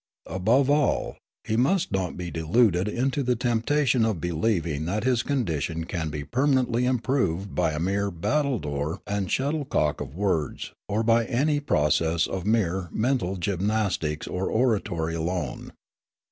Above all, he must not be deluded into the temptation of believing that his condition can be permanently improved by a mere battledore and shuttlecock of words or by any process of mere mental gymnastics or oratory alone.